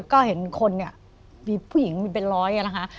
ก็เห็นคนเนี่ยมีผู้หญิงมีเป็นร้อยนะคะ